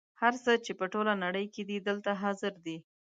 هر څه چې په ټوله نړۍ کې دي دلته حاضر دي.